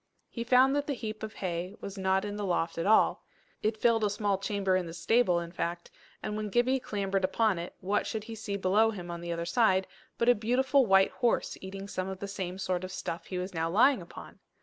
He found that the heap of hay was not in the loft at all. It filled a small chamber in the stable, in fact; and when Gibbie clambered upon it, what should he see below him on the other side, but a beautiful white horse, eating some of the same sort of stuff he was now lying upon!